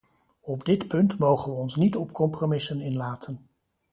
Op dit punt mogen we ons niet op compromissen inlaten.